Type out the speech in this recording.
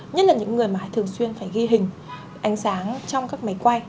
nhất là những người mà thường xuyên phải ghi hình ánh sáng trong các máy quay